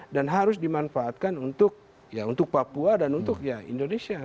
dan harus dimanfaatkan untuk papua dan untuk indonesia